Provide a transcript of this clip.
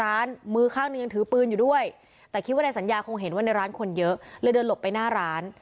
แต่คิดว่าในสัญญาคงเห็นว่าในร้านคนเยอะเดินหลบไปหน้าร้าน